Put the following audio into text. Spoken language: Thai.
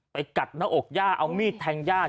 กัดหน้าอกย่าเอามีดแทงย่า